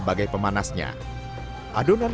pokroati tertua yang ada di al aqsa